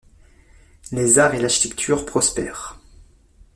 Les arts et l'architecture prospèrent.